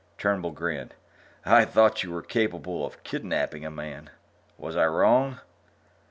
Turnbull grinned. "I thought you were capable of kidnaping a man. Was I wrong?"